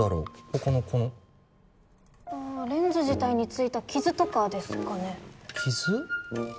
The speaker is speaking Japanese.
ここのこのレンズ自体についた傷とかですかね傷？